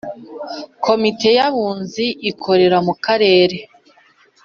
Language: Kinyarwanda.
Komite y Abunzi ikorera mukarere